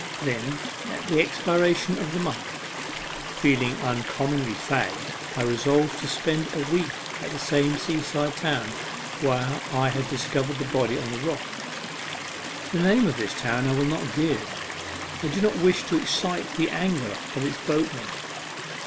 Then, at the expiration of the month, feeling uncommonly fagged, I resolved to spend a week at the same seaside town where I had discovered the body on the rock. The name of this town I will not give. I do not wish to excite the anger of its boatmen.